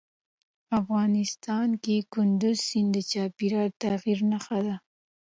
افغانستان کې کندز سیند د چاپېریال د تغیر نښه ده.